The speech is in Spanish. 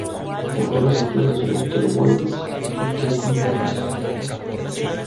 Fundó las empresas "Winter Wolves" y "Tycoon Games".